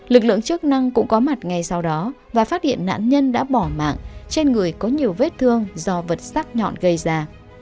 lực lượng chức năng cũng có mặt ngay sau đó và phát hiện nạn nhân đã bỏ mạng trên người có nhiều vết thương do vật sắc nhọn gây ra